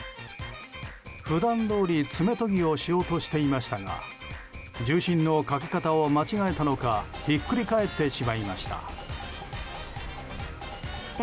普段どおり爪とぎをしようとしていましたが重心のかけ方を間違えたのかひっくり返ってしまいました。